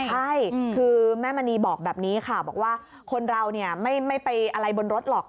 ใช่คือแม่มณีบอกแบบนี้ค่ะบอกว่าคนเราไม่ไปอะไรบนรถหรอก